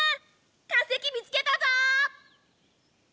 化石見つけたぞ！